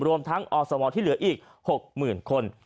รวมทั้งอสมที่เหลืออีก๖๐๐๐คน